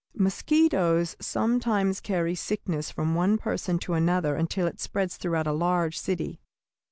Mosquitoes sometimes carry sickness from one person to another until it spreads throughout a large city.